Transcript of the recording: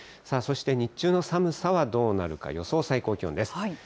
そして日中の寒さはどうなるか、予想最高気温です。